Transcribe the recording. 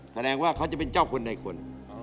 แสดงว่าเขาจะเป็นเจ้าคนในคน